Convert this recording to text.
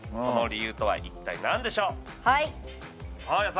その理由とは一体何でしょう？